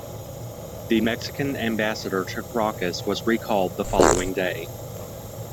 The Mexican ambassador to Caracas was recalled the following day.